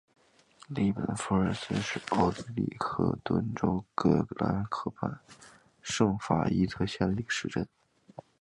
利本弗尔斯是奥地利克恩顿州格兰河畔圣法伊特县的一个市镇。